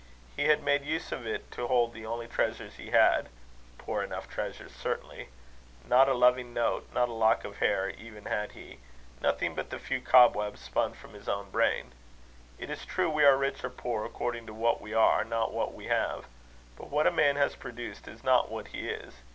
He had made use of it to hold the only treasures he had poor enough treasures, certainly! Not a loving note, not a lock of hair even had he nothing but the few cobwebs spun from his own brain. It is true, we are rich or poor according to what we are, not what we have. But what a man has produced, is not what he is.